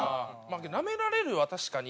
なめられるは確かに。